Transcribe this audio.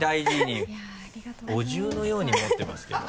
お重のように持ってますけど。